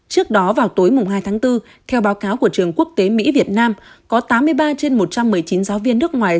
trước đó vào tối hai tháng bốn theo báo cáo của trường quốc tế mỹ việt nam có tám mươi ba trên một trăm một mươi chín giáo viên nước ngoài